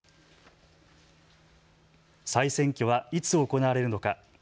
再選挙は、いつ行われるのか。